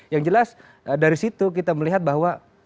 yang jelas dari situ kita melihat bahwa